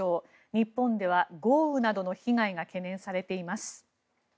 日本では豪雨などの被害が懸念されています。